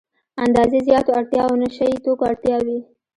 اندازې زياتو اړتیاوو نشه يي توکو اړتیا وي.